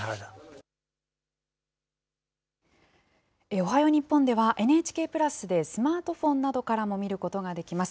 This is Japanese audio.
おはよう日本では、ＮＨＫプラスでスマートフォンなどからも見ることができます。